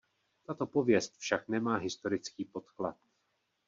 Tato pověst však nemá historický podklad.